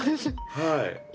はい。